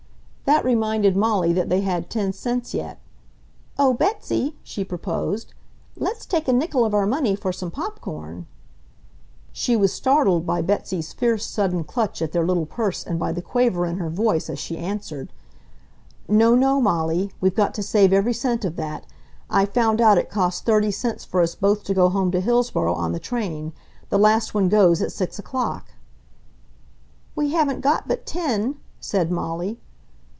That reminded Molly that they had ten cents yet. "Oh, Betsy," she proposed, "let's take a nickel of our money for some pop corn." She was startled by Betsy's fierce sudden clutch at their little purse and by the quaver in her voice as she answered: "No, no, Molly. We've got to save every cent of that. I've found out it costs thirty cents for us both to go home to Hillsboro on the train. The last one goes at six o'clock." "We haven't got but ten," said Molly.